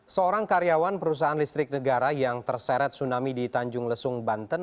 seorang karyawan perusahaan listrik negara yang terseret tsunami di tanjung lesung banten